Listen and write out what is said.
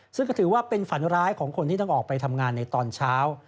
ซึ่งก็ถือว่าเป็นฝันร้ายของคนที่ต้องออกไปทำงานในตอนเช้า